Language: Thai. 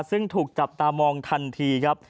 ซึ่งถูกจับตามองทันทีครับ